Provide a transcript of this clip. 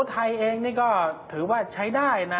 ไทยเองนี่ก็ถือว่าใช้ได้นะ